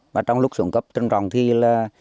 và trong lúc xuống cấp trong tròng thì là